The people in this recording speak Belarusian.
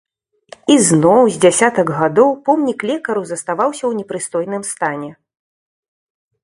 І зноў з дзясятак гадоў помнік лекару заставаўся ў непрыстойным стане.